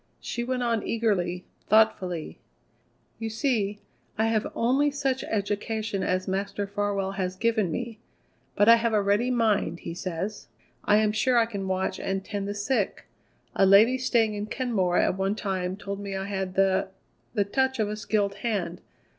She went on eagerly, thoughtfully: "You see, I have only such education as Master Farwell has given me, but I have a ready mind, he says. I am sure I could watch and tend the sick. A lady staying in Kenmore at one time told me I had the the touch of a skilled hand.